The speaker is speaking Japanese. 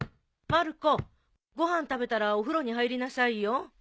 まる子ご飯食べたらお風呂に入りなさいよ。